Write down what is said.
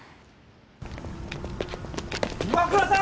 岩倉さん！